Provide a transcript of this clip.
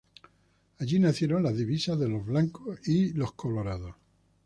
Allí nacieron las "divisas" de los "blancos" y los "colorados".